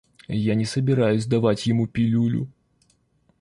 Я не собираюсь давать ему пилюлю.